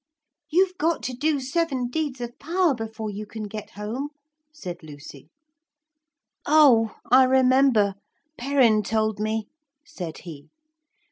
'You've got to do seven deeds of power before you can get home,' said Lucy. 'Oh! I remember, Perrin told me,' said he.